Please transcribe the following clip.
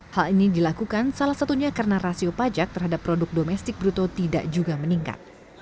hal ini dilakukan salah satunya karena rasio pajak terhadap produk domestik bruto tidak juga meningkat